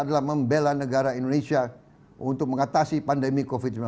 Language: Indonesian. salah satunya yaitu dengan menerapkan protokol kesehatan di tengah pandemi